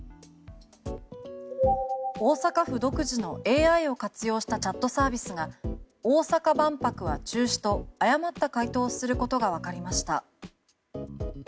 大阪府独自のＡＩを活用したチャットサービスが大阪万博は中止と誤った回答することがわかりました。